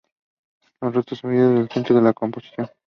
El rostro de Cevallos es el centro de la composición.